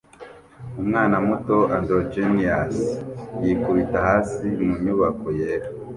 Umwana muto androgynous yikubita hasi mu nyubako yera